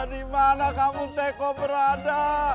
gimana kamu teko berada